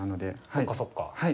そうか、そうか。